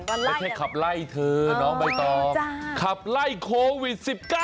ไม่ใช่ขับไล่เธอน้องใบตองขับไล่โควิด๑๙